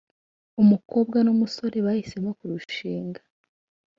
umukobwa n’umusore bahisemo kurushinga